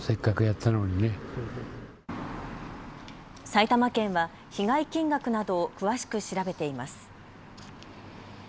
埼玉県は被害金額などを詳しく調べています。